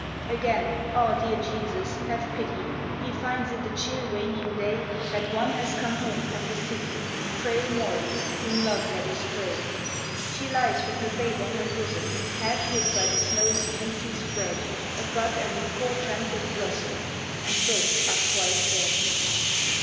Again, ah, dear Jesus, have pity He finds in the chill, waning day, That one has come home from the city Frail Maudie, whom love led astray. She lies with her babe on her bosom Half hid by the snow's fleecy spread; A bud and a poor trampled blossom And both are quite dead.